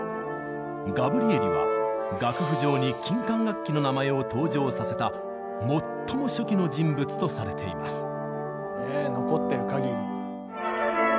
ガブリエリは楽譜上に金管楽器の名前を登場させた最も初期の人物とされています。